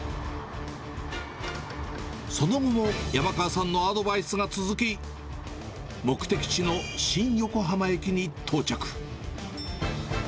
その後も山川さんのアドバイスが続き、目的地の新横浜駅に到着。